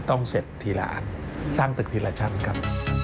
ต้องเสร็จทีละอันสร้างตึกทีละชั้นครับ